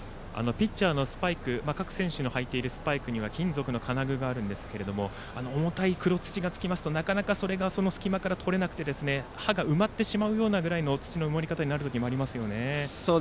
ピッチャーのスパイク各選手のはいているスパイクには金属の金具がありますが重たい黒土がつきますとなかなかそれがその隙間から取れなくて刃が埋まってしまうくらいの土の埋もれ方になることがありますよね。